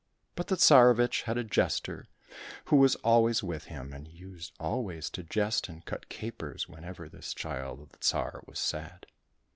But the Tsarevich had a jester who was always with him, and used always to jest and cut capers whenever this child of the Tsar was sad.